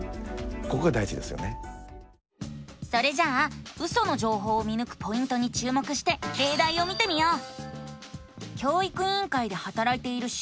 それじゃあウソの情報を見ぬくポイントに注目してれいだいを見てみよう！